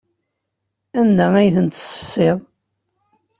Anda ay ten-tessefsiḍ?